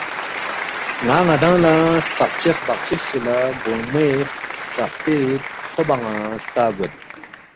ن٘ا ن٘دانگ لہ سپقچس بقچس چی لہ گونگموے سترقپے تھوبان٘ا ہلتا گوید